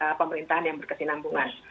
sebagai pemerintahan yang berkesinambungan